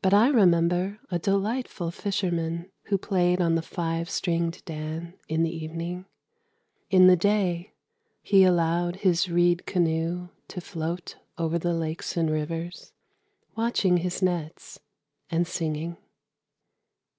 But I remember a delightful fisherman Who played on the five stringed dan in the evening. In the day he allowed his reed canoe to float Over the lakes and rivers, Watching his nets and singing.